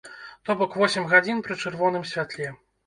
То бок восем гадзін пры чырвоным святле.